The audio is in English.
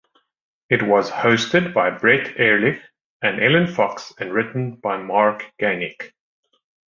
It was hosted by Brett Erlich and Ellen Fox and written by Mark Ganek.